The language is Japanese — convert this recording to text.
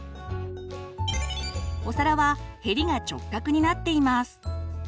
お皿はヘリが直角になっています。